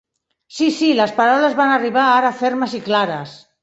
"Sí, sí", les paraules van arribar ara fermes i clares.